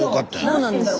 そうなんですよ。